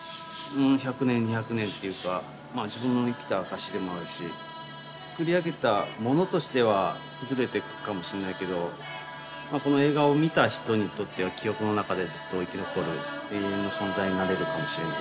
うん１００年２００年っていうか自分の生きた証しでもあるし作り上げたものとしては崩れていくかもしれないけどこの映画を見た人にとっては記憶の中でずっと生き残る永遠の存在になれるかもしれない。